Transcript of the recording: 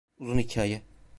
Uzun hikâye.